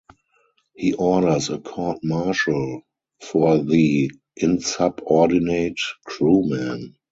He orders a court-martial for the insubordinate crewman!